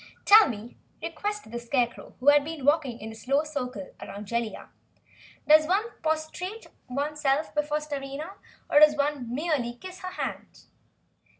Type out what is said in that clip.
"Tell me," requested the Scarecrow, who had been walking in a slow circle around Jellia. "Does one prostrate oneself before a Starina, or does one merely kiss her hand?"